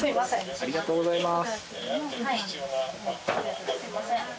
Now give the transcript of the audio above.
ありがとうございます。